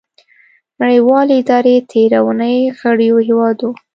نړیوالې ادارې تیره اونۍ غړیو هیوادو